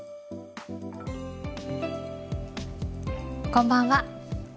こんばんは。